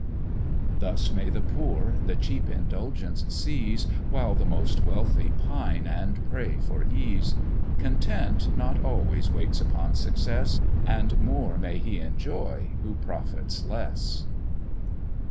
Thus may the poor the cheap indulgence seize, While the most wealthy pine and pray for ease; Content not always waits upon success, And more may he enjoy who profits less.